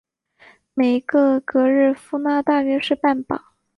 每一个格日夫纳大约是半磅。